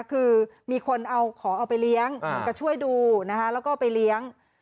คือมีคนเอาของเอาไปเลี้ยงก็ช่วยดูนะคะแล้วก็ไปเลี้ยง